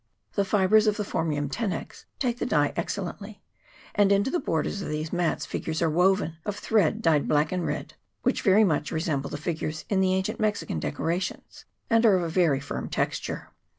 The fibres of the Phormium tenax take the dye excel lently ; and into the borders of these mats figures are woven, of thread dyed black and red, which very much resemble the figures in the ancient Mexican decorations, and are of a very firm texture.